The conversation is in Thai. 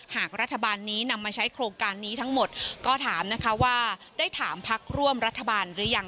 หากรัฐบาลนี้นำมาใช้โครงการนี้ทั้งหมดก็ถามนะคะว่าได้ถามพักร่วมรัฐบาลหรือยัง